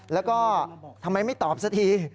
แล้วก็ทำไมไม่ตอบสักที